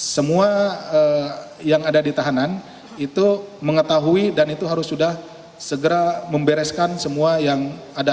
semua yang ada di tahanan itu mengetahui dan itu harus sudah segera membereskan semua yang ada